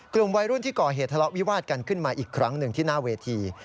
กลุ่มวัยรุ่นที่ก่อเหตุทะเลาะวิวาดกันขึ้นมาอีกครั้งหนึ่งที่หน้าเวที